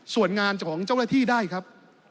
ส่วนงานของเจ้าหน้าที่ได้ครับ